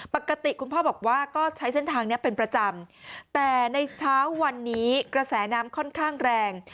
คุณพ่อบอกว่าก็ใช้เส้นทางนี้เป็นประจำแต่ในเช้าวันนี้กระแสน้ำค่อนข้างแรง